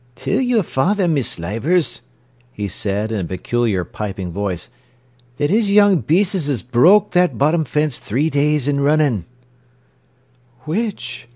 "Tell your father, Miss Leivers," he said, in a peculiar piping voice, "that his young beas'es 'as broke that bottom fence three days an' runnin'." "Which?"